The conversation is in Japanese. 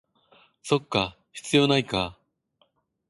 そっか、必要ないか